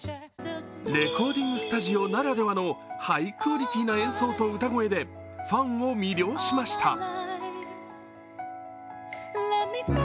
レコーディングスタジオならではのハイクオリティーな演奏と歌声でファンを魅了しました。